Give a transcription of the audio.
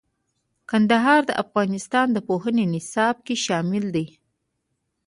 کندهار د افغانستان د پوهنې نصاب کې شامل دي.